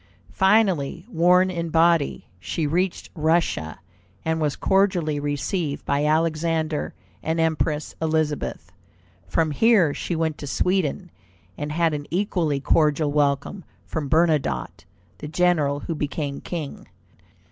Finally, worn in body, she reached Russia, and was cordially received by Alexander and Empress Elizabeth. From here she went to Sweden, and had an equally cordial welcome from Bernadotte, the general who became king.